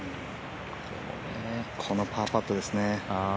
このパーパットですね。